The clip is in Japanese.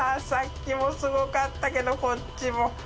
さっきもすごかったけどこっちも。